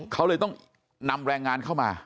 เขาเลยต้องนำแรงงานเข้ามา